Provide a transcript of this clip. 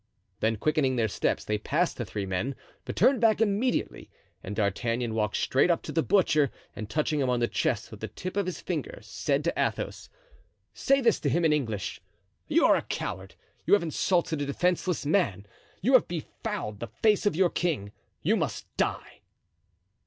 Then quickening their steps they passed the three men, but turned back immediately, and D'Artagnan walked straight up to the butcher and touching him on the chest with the tip of his finger, said to Athos: "Say this to him in English: 'You are a coward. You have insulted a defenseless man. You have befouled the face of your king. You must die.